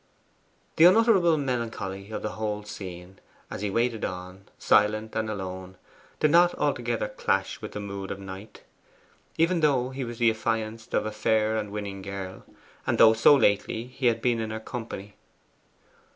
The unutterable melancholy of the whole scene, as he waited on, silent and alone, did not altogether clash with the mood of Knight, even though he was the affianced of a fair and winning girl, and though so lately he had been in her company.